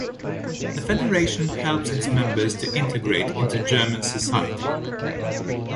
The federation helps its members to integrate into German society.